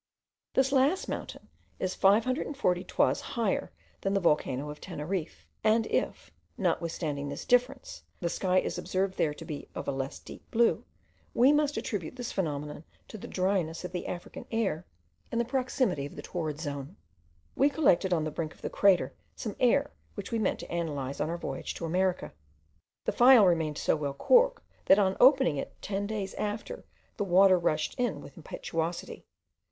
This last mountain is 540 toises higher than the volcano of Teneriffe; and if, notwithstanding this difference, the sky is observed there to be of a less deep blue, we must attribute this phenomenon to the dryness of the African air, and the proximity of the torrid zone. We collected on the brink of the crater, some air which we meant to analyse on our voyage to America. The phial remained so well corked, that on opening it ten days after, the water rushed in with impetuosity.